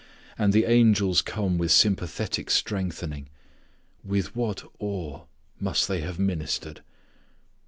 And the angels come with sympathetic strengthening. With what awe must they have ministered!